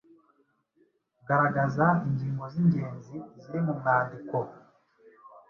Garagaza ingingo z’ingenzi ziri mu mwandiko.